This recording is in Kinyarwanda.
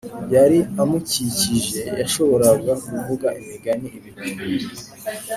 Yari amukikije yashoboraga kuvuga imigani ibihumbi